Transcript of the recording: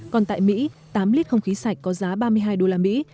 còn tại mỹ tám lít không khí sạch có giá ba mươi hai đô la mỹ